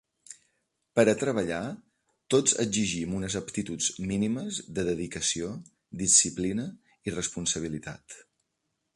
Per a treballar, tots exigim unes aptituds mínimes de dedicació, disciplina i responsabilitat.